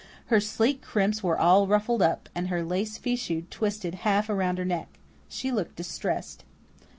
Her sleek crimps were all ruffled up, and her lace fichu twisted half around her neck. She looked distressed.